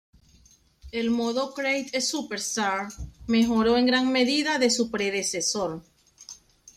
El modo "Create-A-Superstar" mejoró en gran medida de su predecesor.